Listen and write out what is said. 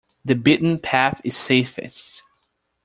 The beaten path is safest.